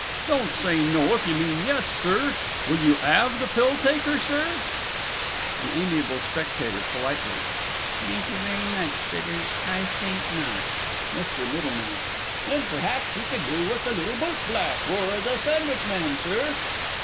Don't say No, if you mean Yes, Sir. Will you 'ave "The Pill taker," Sir? THE A. S. (politely). Thank you very much, but er I think not. MR. M. Then perhaps you could do with "The Little Boot Black," or "The Sandwich Man," Sir?